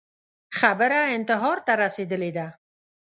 خبره انتحار ته رسېدلې ده